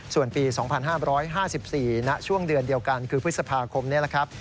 ส่วนปี๒๕๕๔ณช่วงเดือนเดียวกันคือพฤษภาคมนี่แหละครับ